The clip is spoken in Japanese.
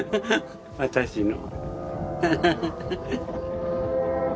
私の。